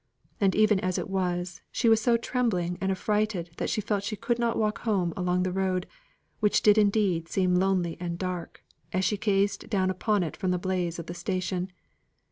And even as it was, she was so trembling and affrighted that she felt she could not walk home along the road, which did indeed seem lonely and dark, as she gazed down upon it from the blaze of the station.